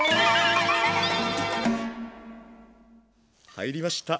入りました！